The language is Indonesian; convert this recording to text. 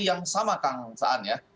yang sama kang saan ya